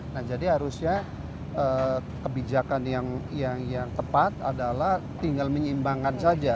nah jadi harusnya kebijakan yang tepat adalah tinggal menyeimbangkan saja